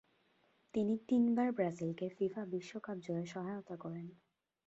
তিনি তিনবার ব্রাজিলকে ফিফা বিশ্বকাপ জয়ে সহায়তা করেন।